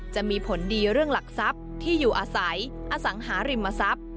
จะมีผลดีเรื่องหลักทรัพย์ที่อยู่อาศัยอสังหาริมทรัพย์